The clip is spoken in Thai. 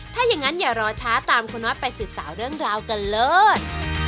ถ้าอย่างนั้นอย่ารอช้าตามคุณน็อตไปสืบสาวเรื่องราวกันเลิศ